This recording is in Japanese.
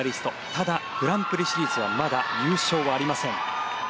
ただ、グランプリシリーズはまだ優勝はありません。